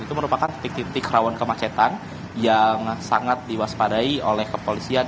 itu merupakan titik titik rawan kemacetan yang sangat diwaspadai oleh kepolisian